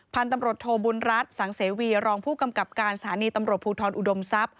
พันธุ์ตำรวจโทบุญรัฐสังเสวีรองผู้กำกับการสถานีตำรวจภูทรอุดมทรัพย